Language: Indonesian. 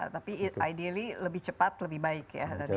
tapi ideally lebih cepat lebih baik ya